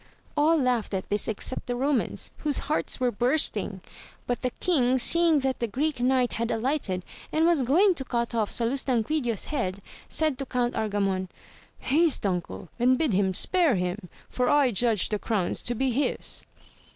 All laughed at this ex cept the Romans, whose hearts were bursting. But the king seeing that the Greek Knight had alighted and was going to cut off Salustanquidio's head, said to Count Argamon, hsuste uncle, and bid him spare him, for I judge the crowns to be his.